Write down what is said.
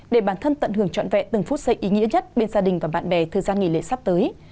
để bản thân tận hưởng trọn vẹn từng phút xây ý nghĩa nhất bên gia đình và bạn bè thời gian nghỉ lễ sắp tới